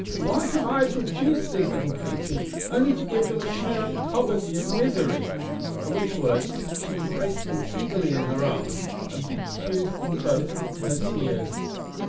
why have I produced these little creatures only to give them a share of poverty and misery?" At which words she embraced them eagerly in her arms, and bedewed them both with her tears.